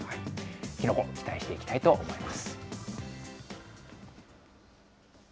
キノコ、期待していきたいと思います。